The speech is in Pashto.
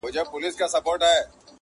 د تندې کرښو راوستلی یم د تور تر کلي٫